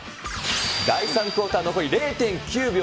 第３クオーター残り０．９秒。